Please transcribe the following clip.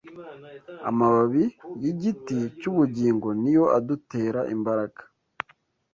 Amababi y’Igiti cy’Ubugingo niyoadutera imbaraga